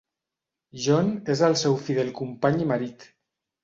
John és el seu fidel company i marit.